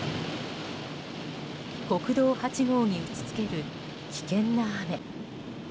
国道８号に打ち付ける危険な雨。